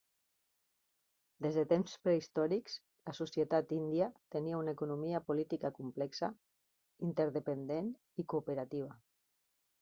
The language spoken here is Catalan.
Des de temps prehistòrics, la societat índia tenia una economia política complexa, interdependent i cooperativa.